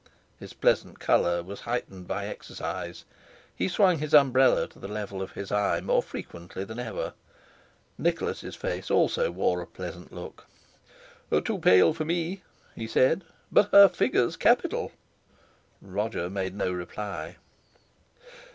His pleasant colour was heightened by exercise, he swung his umbrella to the level of his eye more frequently than ever. Nicholas's face also wore a pleasant look. "Too pale for me," he said, "but her figures capital!" Roger made no reply.